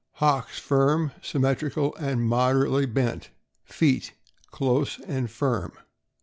Hocks firm, symmetrical, and moderately bent. Feet close and firm.